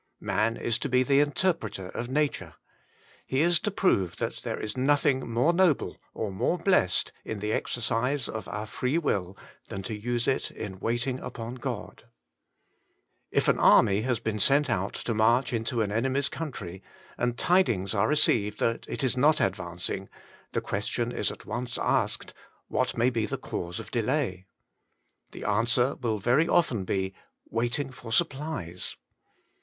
Man is to be the interpreter of Nature. He is to prove that there is nothing 30 WAITING ON GOBI more noble or more blessed in the exercise of our free will than to use it in waiting upon God, If an army has been sent out to march into an enemy's country, and tidings are received that it is not advancing, the question is at once asked, what may be the cause of delay. The answer will very often be :* Waiting for supplies.'